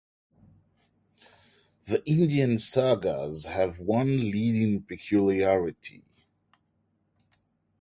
These Indian sagas have one leading peculiarity.